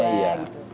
autentik jawa gitu